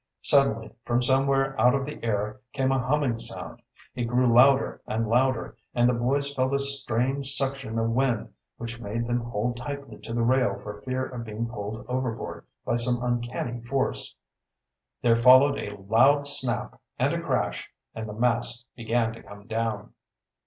Suddenly from somewhere out of the air came a humming sound. It grew louder and louder, and the boys felt a strange suction of wind which made them hold tightly to the rail for fear of being pulled overboard by some uncanny force. There followed a loud snap and a crash, and the mast began to come down.